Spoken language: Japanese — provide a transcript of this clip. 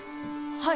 はい。